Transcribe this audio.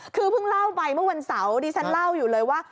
คือเพิ่งเล่าไปเมื่อวันเสาร์ดิฉันเล่าอยู่เลยว่า